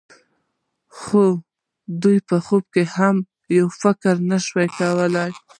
خو دوی په خوب کې هم یو فکر نشي کولای.